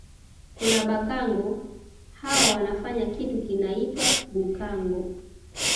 Kuna Bhakango hawa wanafanya kitu kinaitwa bhukango